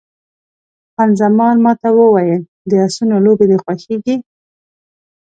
خان زمان ما ته وویل، د اسونو لوبې دې خوښېږي؟